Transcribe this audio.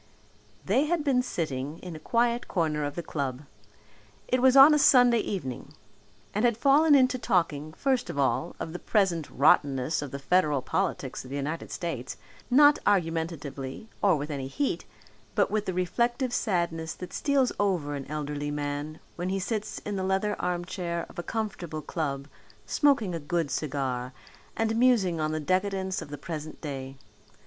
They had been sitting in a quiet corner of the club it was on a Sunday evening and had fallen into talking, first of all, of the present rottenness of the federal politics of the United States not argumentatively or with any heat, but with the reflective sadness that steals over an elderly man when he sits in the leather armchair of a comfortable club smoking a good cigar and musing on the decadence of the present day.